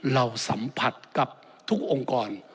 เราสัมผัสกับทุกองค์กร